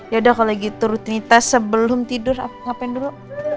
yaudah kalau gitu rutinitas sebelum tidur ngapain dulu